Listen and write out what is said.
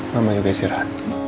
mama juga istirahat